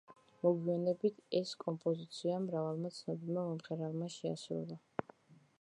მოგვიანებით ეს კომპოზიცია მრავალმა ცნობილმა მომღერალმა შეასრულა.